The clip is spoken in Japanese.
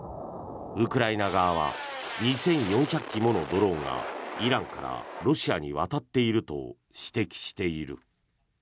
ウクライナ側は２４００機ものドローンがイランからロシアに渡っていると指摘している。